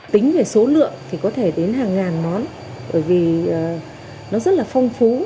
tính về số lượng thì có thể đến hàng ngàn món bởi vì nó rất là phong phú